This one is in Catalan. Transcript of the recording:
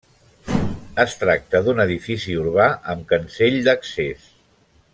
Es tracta d'un edifici urbà amb cancell d'accés.